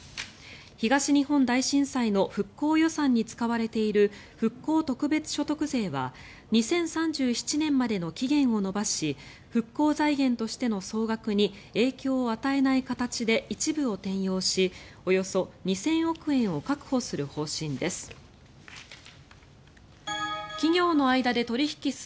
東日本大震災の復興予算に使われている復興特別所得税は２０３７年までの期限を延ばし復興財源としての総額に影響を与えない形で一部を転用しおよそ２０００億円を確保する方針です。